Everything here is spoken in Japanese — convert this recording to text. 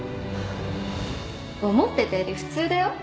思ってたより普通だよ。